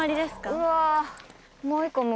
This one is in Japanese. うわ。